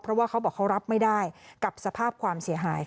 เพราะว่าเขาบอกเขารับไม่ได้กับสภาพความเสียหาย